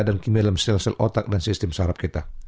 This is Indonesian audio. dan kimia dalam sel sel otak dan sistem syarab kita